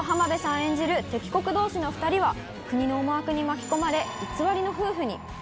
演じる敵国どうしの２人は、国の思惑に巻き込まれ、偽りの夫婦に。